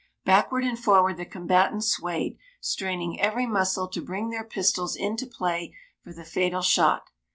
Backward and forward the combatants swayed, straining every muscle to bring their pistols into play for the fatal shot.